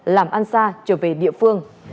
làm ăn xa trở về địa phương